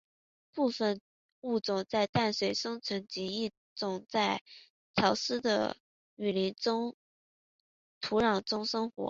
部分物种在淡水生存及一种在潮湿的雨林土壤中生活。